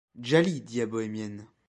Djali, dit la bohémienne.